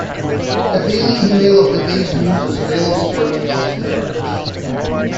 A daily email of the day's news is available for email subscribers.